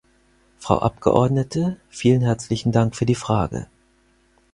Frau Abgeordnete, vielen herzlichen Dank für die Frage.